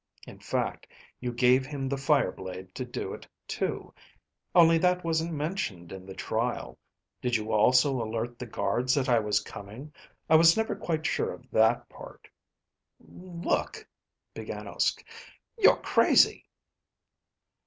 In fact, you gave him the fire blade to do it, too. Only that wasn't mentioned in the trial. Did you also alert the guards that I was coming? I was never quite sure of that part." "Look ..." began Uske. "You're crazy."